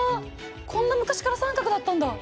こんな昔から三角だったんだ。